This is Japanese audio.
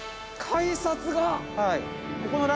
改札が！